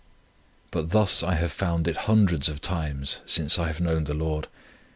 But thus I have found it hundreds of times since I have known the Lord.